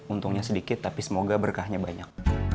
untungnya sedikit tapi semoga berkahnya banyak